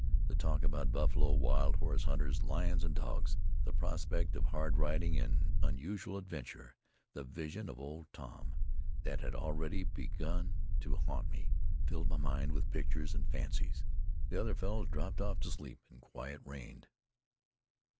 The talk about buffalo, wild horse hunters, lions and dogs, the prospect of hard riding and unusual adventure; the vision of Old Tom that had already begun to haunt me, filled my mind with pictures and fancies. The other fellows dropped off to sleep, and quiet reigned.